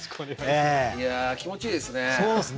いや気持ちいいですね。